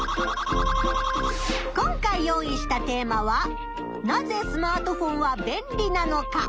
今回用意したテーマは「なぜスマートフォンは便利なのか」。